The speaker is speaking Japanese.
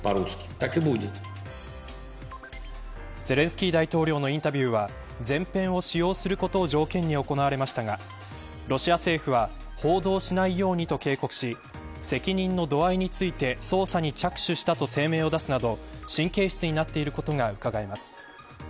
ゼレンスキー大統領のインタビューは全編を使用することを条件に行われましたがロシア政府は報道しないようにと警告し責任の度合いについて捜査に着手したと声明を出すなど神経質になっていることがうかがえます。